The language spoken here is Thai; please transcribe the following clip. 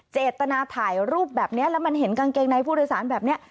เจตนาถ่ายรูปแบบนี้แล้วมันเห็นกางเกงในผู้โดยสารแบบนี้